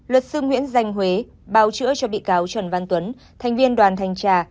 luật sư nguyễn danh huế báo chữa cho bị cáo trần văn tuấn thành viên đoàn thanh tra